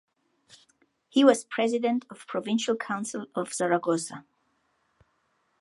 He was president of Provincial Council of Zaragoza.